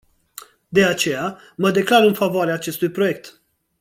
De aceea, mă declar în favoarea acestui proiect.